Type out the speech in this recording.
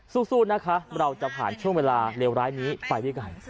สู้นะคะเราจะผ่านช่วงเวลาเลวร้ายนี้ไปด้วยกัน